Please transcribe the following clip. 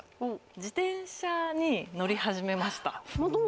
自転車に乗り始めました。